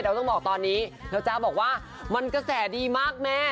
ต้องบอกตอนนี้แล้วจ๊ะบอกว่ามันกระแสดีมากแม่